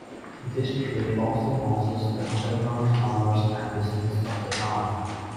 This street also houses the underground commerce and business of the town.